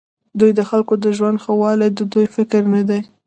دوی د خلکو د ژوند ښهوالی د دوی فکر نه دی.